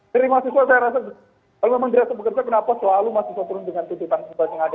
jadi mahasiswa saya rasa kalau memang dirasa bekerja kenapa selalu mahasiswa turun dengan tuntutan yang ada